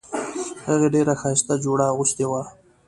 هغې ډیره ښایسته جوړه اغوستې وه